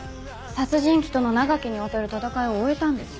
殺人鬼との長きにわたる闘いを終えたんです。